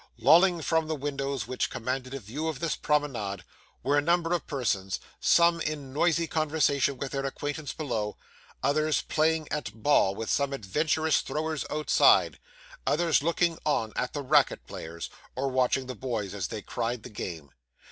Lolling from the windows which commanded a view of this promenade were a number of persons, some in noisy conversation with their acquaintance below, others playing at ball with some adventurous throwers outside, others looking on at the racket players, or watching the boys as they cried the game.